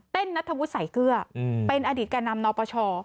เต้นณธวุสัยเกลือเป็นอดีตกันนปช